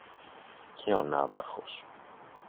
Και ο ναύαρχος.